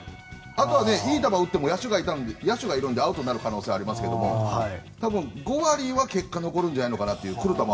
あとはいい球を打っても野手がいるので、アウトになる可能性はありますけど来る球が分かれば多分５割は結果が残るんじゃないかと。